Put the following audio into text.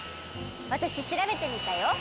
わたししらべてみたよ！